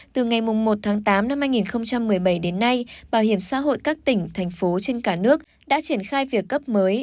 từ ngày một tháng tám năm hai nghìn một mươi bảy đến nay bảo hiểm xã hội các tỉnh thành phố trên cả nước đã triển khai việc cấp mới